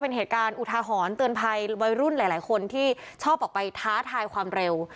เป็นเหตุการณ์อุทาหรณ์เตือนภัยวัยรุ่นหลายคนที่ชอบออกไปท้าทายความเร็ว